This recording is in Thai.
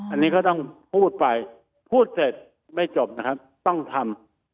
อันนี้ก็ต้องพูดไปพูดเสร็จไม่จบนะครับต้องทำ